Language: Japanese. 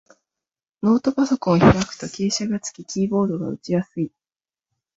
ノートパソコンを開くと傾斜がつき、キーボードが打ちやすい